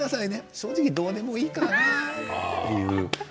正直どうでもいいかなという。